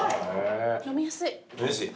飲みやすい。